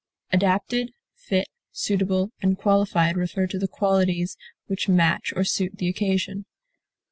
Adapted, fit, suitable, and qualified refer to the qualities which match or suit the occasion.